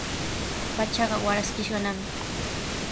Pachaqa waraskishqanami.